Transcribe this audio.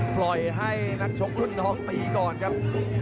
ปล่อยให้นักชกรุ่นน้องตีก่อนครับ